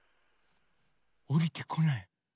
おりてこない。